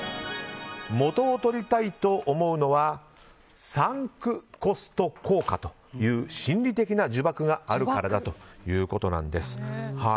元を取りたいと思うのはサンクコスト効果という心理的な呪縛があるからだということなんです。